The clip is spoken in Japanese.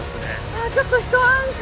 あちょっと一安心。